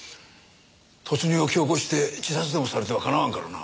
突入を強行して自殺でもされてはかなわんからな。